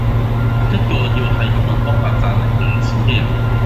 一個要係噉搵方法賺零用錢嘅人